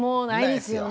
ないですよ。